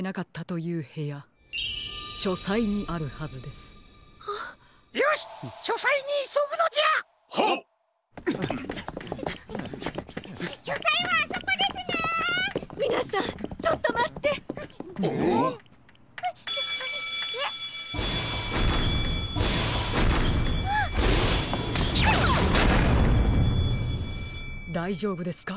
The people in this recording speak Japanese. だいじょうぶですか？